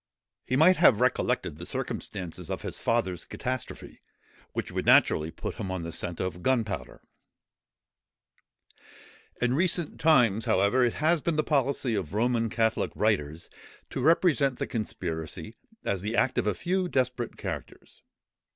He might have recollected the circumstances of his father's catastrophe, which would naturally put him on the scent of gunpowder." [Footnote 13: HALLAM'S Const. Hist., i. 555.] In recent times, however, it has been the policy of Roman Catholic writers to represent the conspiracy as the act of a few desperate characters.